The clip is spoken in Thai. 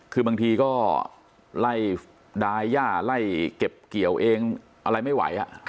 คือบางทีก็ไล่ดายย่าไล่เก็บเกี่ยวเองอะไรไม่ไหว